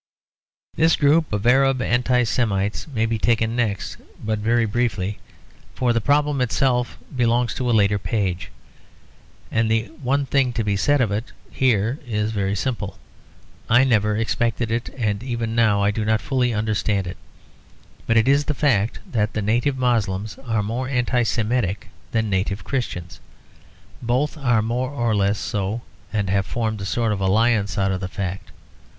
This group of Arab Anti Semites may be taken next, but very briefly; for the problem itself belongs to a later page; and the one thing to be said of it here is very simple. I never expected it, and even now I do not fully understand it. But it is the fact that the native Moslems are more Anti Semitic than the native Christians. Both are more or less so; and have formed a sort of alliance out of the fact.